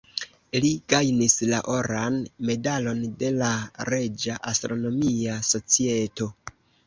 Li gajnis la Oran Medalon de la Reĝa Astronomia Societo.